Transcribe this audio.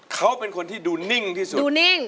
เขาเป็นคนที่ดูนิ่งที่สุดดูนิ่ง